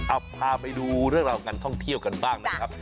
เอาพาไปดูเรื่องราวการท่องเที่ยวกันบ้างนะครับ